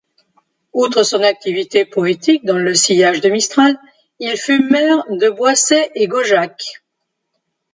Outre son activité poétique dans le sillage de Mistral, il fut maire de Boisset-et-Gaujac.